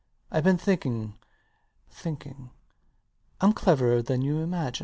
Ive been thinking thinking. I'm cleverer than you imagine.